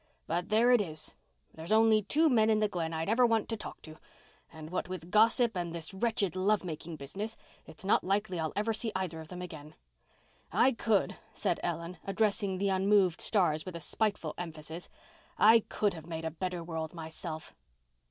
But there it is—there's only two men in the Glen I'd ever want to talk to—and what with gossip and this wretched love making business it's not likely I'll ever see either of them again. I could," said Ellen, addressing the unmoved stars with a spiteful emphasis, "I could have made a better world myself."